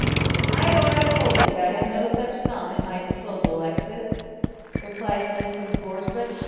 " "I have already told you that I have no such sura at my disposal, Alexis," replies Mrs. Gorsuch.